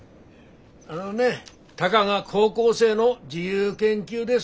あのねたかが高校生の自由研究です。